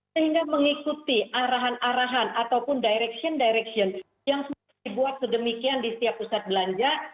sehingga mengikuti arahan arahan ataupun direction direction yang dibuat sedemikian di setiap pusat belanja